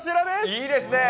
いいですね。